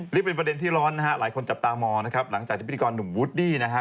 นี่เป็นประเด็นที่ร้อนนะฮะหลายคนจับตามองนะครับหลังจากที่พิธีกรหนุ่มวูดดี้นะฮะ